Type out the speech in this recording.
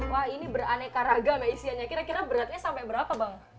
wah ini beraneka ragam ya isiannya kira kira beratnya sampai berapa bang